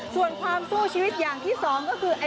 ส่วนความสู้ชีวิตอย่างที่สองก็คือ